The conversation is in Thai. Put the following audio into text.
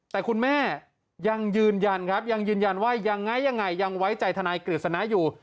แต่คุณแม่ยังยืนยันครับยังยืนยันว่ายังไงยังไงยังไว้ใจทนายกฤษณะอยู่